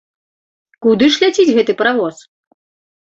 Куды ж ляціць гэты паравоз?